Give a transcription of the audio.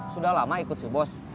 sudah lama ikut si bos